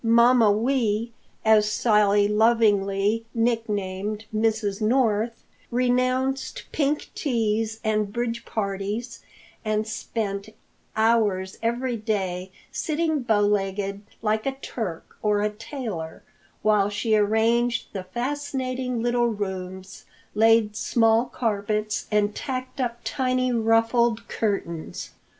Mamma Wee, as Sally lovingly nicknamed Mrs. North, renounced pink teas and bridge parties and spent hours every day sitting bow legged like a Turk or a tailor, while she arranged the fascinating little rooms, laid small carpets and tacked up tiny, ruffled curtains.